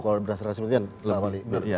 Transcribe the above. kalau berasal dari aspek kepentingan